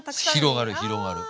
広がる広がる。